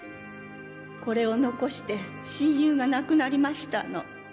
これを遺して親友が亡くなりましたの。